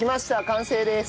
完成です。